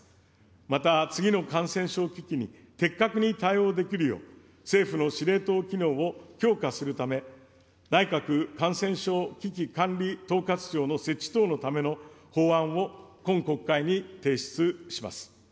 また、次の感染症危機に適格に対応できるよう、政府の司令塔機能を強化するため、内閣感染症危機管理統括庁の設置等のための法案を今国会に提出します。